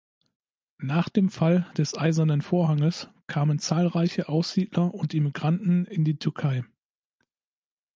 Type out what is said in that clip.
Nach dem Fall des Eisernen Vorhanges kamen zahlreiche Aussiedler und Immigranten in die Türkei.